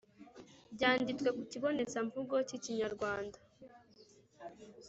byanditwe ku kibonezamvugo k’ikinyarwanda.